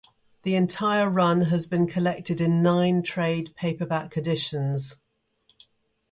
The entire run has been collected in nine trade paperback editions.